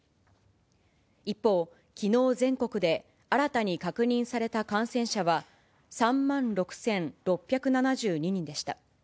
一方、きのう全国で新たに確認された感染者は、３万６６７２人でした。